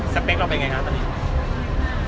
เปคเราเป็นไงคะตอนนี้